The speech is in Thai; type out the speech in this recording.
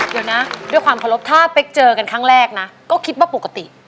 เดี๋ยวนะด้วยความเคารพถ้าเป๊กเจอกันครั้งแรกนะก็คิดว่าปกติ